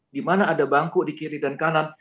dimana ada bangku di kiri dan kanan